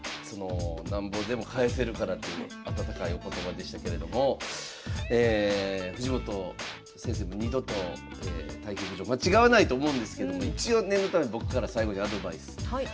なんぼでも返せるからという温かいお言葉でしたけれども藤本先生もう二度と対局場間違わないと思うんですけども一応念のため僕から最後にアドバイス。